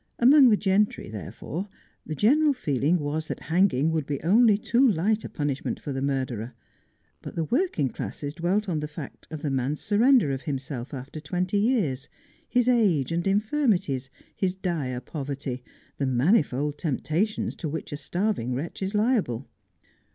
Among the gentry, therefore, the general feeling was that hanging would be only too light a punishment for the murderer ; but the working classes dwelt on the fact of the man's surrender of himself after twenty years ; his age and infirmities, his dire poverty, the manifold temptations to which a starving wretch is liable.